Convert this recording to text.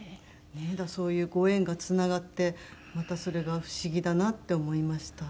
だからそういうご縁がつながってまたそれが不思議だなって思いました。